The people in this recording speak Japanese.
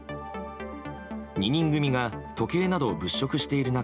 ２人組が時計などを物色している中